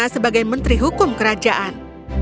putri selena sebagai menteri hukum kerajaan